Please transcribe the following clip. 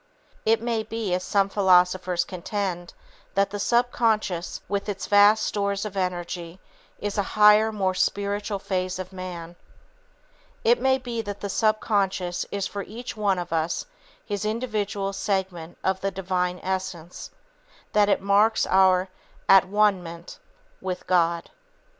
It may be, as some philosophers contend, that the subconscious, with its vast stores of energy, is a higher, more spiritual phase of man. [Sidenote: Drawing Power from on High] It may be that the subconscious is for each one of us his individual segment of the Divine Essence that it marks our "at one ment" with God.